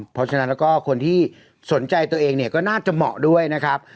เพราะฉะนั้นแล้วก็คนที่สนใจตัวเองเนี่ยก็น่าจะเหมาะด้วยนะครับ